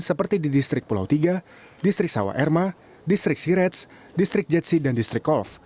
seperti di distrik pulau tiga distrik sawa erma distrik sirets distrik jetsi dan distrik kolf